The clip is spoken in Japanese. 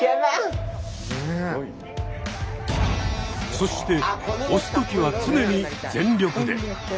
そして推す時は常に全力で。